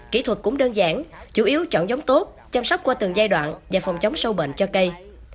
kỹ thuật cũng đơn giản chủ yếu chọn giống tốt chăm sóc qua từng giai đoạn và phòng chống sâu bệnh cho cây